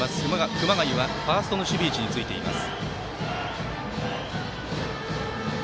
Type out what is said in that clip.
熊谷はファーストの守備位置についています。